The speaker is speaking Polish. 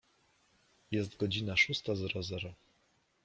Jest godzina szósta zero zero.